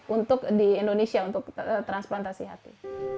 untuk di indonesia untuk transplantasi hati